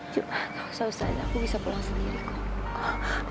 jangan jangan aku bisa pulang sendiri